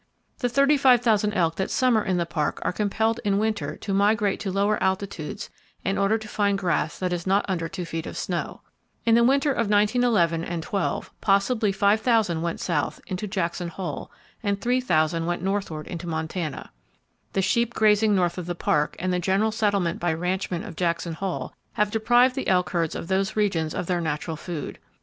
The 35,000 elk that summer in the Park are compelled in winter to migrate to lower altitudes in order to find grass that is not under two feet of snow. In the winter of 1911 12, possibly 5,000 went south, into Jackson Hole, and 3,000 went northward into Montana. The sheep grazing north of the Park, and the general settlement by ranchmen of Jackson Hole, have deprived the elk herds of those regions of their natural food.